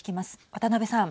渡辺さん。